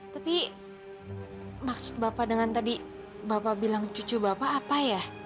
tapi maksud bapak dengan tadi bapak bilang cucu bapak apa ya